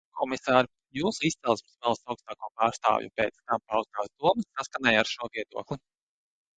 Komisār, jūsu izcelsmes valsts augsto pārstāvju pēc tam paustās domas saskanēja ar šo viedokli.